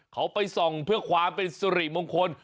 เขาไปส่องเพื่อความเป็นสุริมงคล